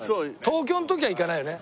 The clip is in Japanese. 東京の時は行かないよね？